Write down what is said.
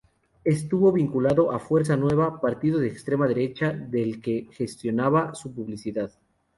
Estuvo vinculado a Fuerza Nueva, partido de extrema derecha del que gestionaba su publicidad.